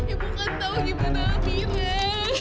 ibu kan tahu gimana mira